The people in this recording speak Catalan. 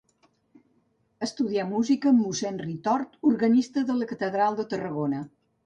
Estudià música amb mossèn Ritort, organista de la catedral de Tarragona.